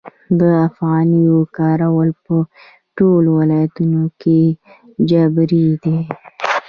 د افغانیو کارول په ټولو ولایتونو کې جبري دي؟